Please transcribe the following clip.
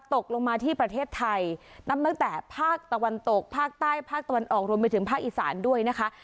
ตกลงมาที่ประเทศไทยนับตั้งแต่ภาคตะวันตกภาคใต้ภาคตะวันออกรวมไปถึงภาคอีสานด้วยนะคะ